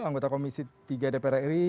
anggota komisi tiga dpr ri